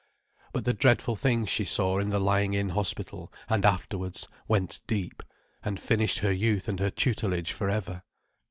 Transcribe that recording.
But the dreadful things she saw in the lying in hospital, and afterwards, went deep, and finished her youth and her tutelage for ever.